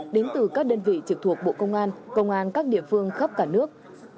đảng ủy trực thuộc bộ công an công an các địa phương khắp cả nước